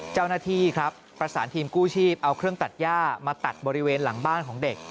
เจ้าหน้าที่ครับประสานทีมกู้ชีพเอาเครื่องตัดย่ามาตัดบริเวณหลังบ้านของเด็ก